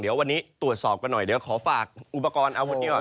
เดี๋ยววันนี้ตรวจสอบกันหน่อยเดี๋ยวขอฝากอุปกรณ์อาวุธนี้ก่อน